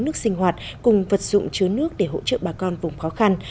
nước sinh hoạt cùng vật dụng chứa nước để hỗ trợ bà con vùng khó khăn